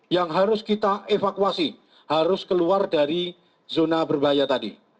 yang harus kita evakuasi harus keluar dari zona berbahaya tadi